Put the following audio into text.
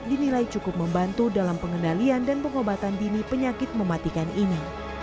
dinilai cukup membantu dalam pengendalian dan pengobatan dini penyakit mematikan ini